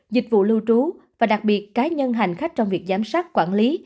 dịch vụ lưu trú và đặc biệt cá nhân hành khách trong việc giám sát quản lý